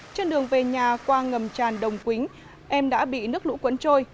trên đường về nhà qua ngầm tràn đồng quính em đã bị nước lũ quân trôi